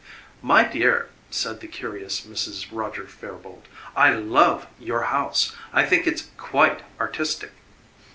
"My dear," said the curious Mrs. Roger Fairboalt, "I LOVE your house. I think it's QUITE artistic."